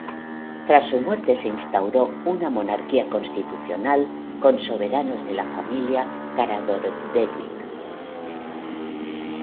Tras su muerte se instauró una monarquía constitucional con soberanos de la familia Karađorđević.